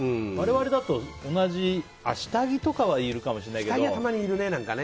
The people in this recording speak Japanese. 我々だと同じ下着とかはいるかもしれないけど。